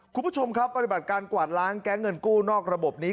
คุณผู้ชมครับปฏิบัติการกวาดล้างแก๊งเงินกู้นอกระบบนี้